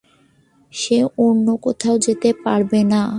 সে অন্য কোথাও যেতে পারবে না।